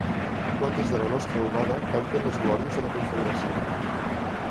Notes de la nostra albada canten les glòries de la Confederació.